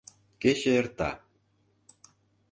Кече эрта.